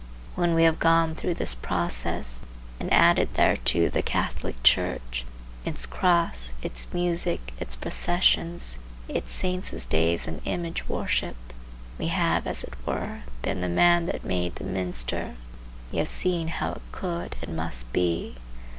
When we have gone through this process, and added thereto the Catholic Church, its cross, its music, its processions, its Saints' days and image worship, we have as it were been the man that made the minster; we have seen how it could and must be.